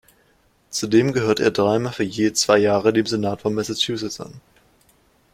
Zudem gehörte er dreimal für je zwei Jahre dem Senat von Massachusetts an.